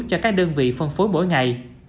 cho các đơn vị phân phối mỗi ngày